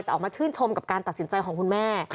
แต่ออกมาชื่นชมกับการตัดสินใจของคุณแม่